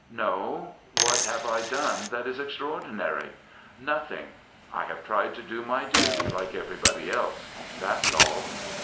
No. What have I done that is extraor dinary? Nothing. I have tried to do my duty like everybody else. That's all.